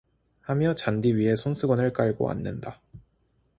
하며 잔디 위에 손수건을 깔고 앉는다.